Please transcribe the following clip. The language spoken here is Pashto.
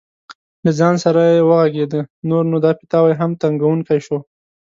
له ځان سره یې وغږېده: نور نو دا پیتاوی هم تنګوونکی شو.